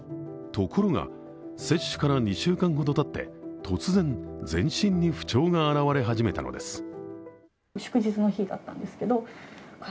ところが接種から２週間ほどたって突然、全身に不調が表れ始めたのです。